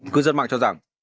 cư dân mạng cho rằng